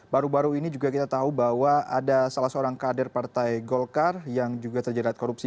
baru baru ini juga kita tahu bahwa ada salah seorang kader partai golkar yang juga terjerat korupsi